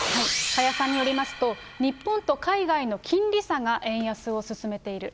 加谷さんによりますと、日本と海外の金利差が円安を進めている。